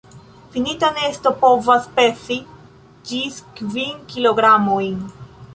Finita nesto povas pezi ĝis kvin kilogramojn..